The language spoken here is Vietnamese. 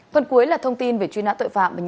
phần cuối là thông tin về chuyên án tội phạm